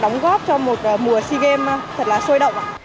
đóng góp cho một mùa sea games thật là sôi động ạ